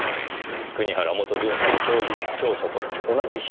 国原元巡査の供述調書と同じ筆跡でした。